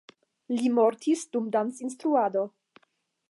Li mortis dum dancinstruado.